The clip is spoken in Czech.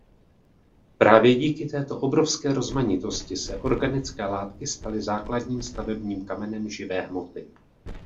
Právě díky této obrovské rozmanitosti se organické látky staly základním stavebním kamenem živé hmoty.